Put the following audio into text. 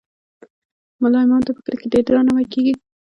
ملا امام ته په کلي کې ډیر درناوی کیږي.